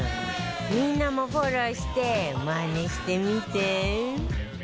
みんなもフォローしてマネしてみて